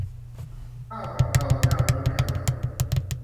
ข้าวกะเพราเจ้านี้ไม่อร่อย